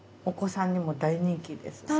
お子さんにも大人気です。